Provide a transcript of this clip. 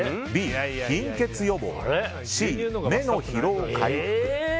Ｂ、貧血予防Ｃ、目の疲労回復。